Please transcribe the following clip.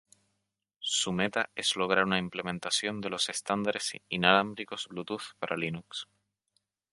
Su meta es lograr una implementación de los estándares inalámbricos Bluetooth para Linux.